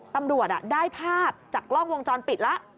ตำรวจได้ภาพจากกล้องวงจรปิดแล้ว